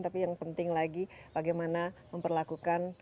tapi yang penting lagi bagaimana memperlakukan